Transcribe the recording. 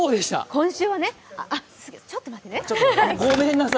今週はちょっと待ってね。